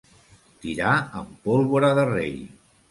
Tirar amb pólvora de rei.